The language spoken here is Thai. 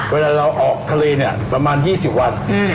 เวลาเราออกทะเลเนี่ยประมาณ๒๐วัน